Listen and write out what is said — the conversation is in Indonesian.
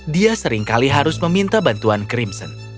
dia seringkali harus meminta bantuan crimson